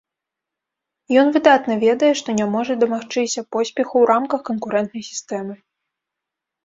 Ён выдатна ведае, што не можа дамагчыся поспеху ў рамках канкурэнтнай сістэмы.